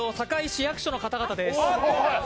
堺市役所の方々です。